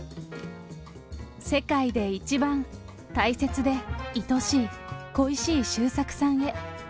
世界で一番大切でいとしい、恋しい周作さんへ。